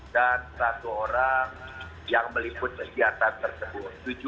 dan satu orang yang meliput kegiatan tersebut